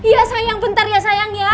iya sayang bentar ya sayang ya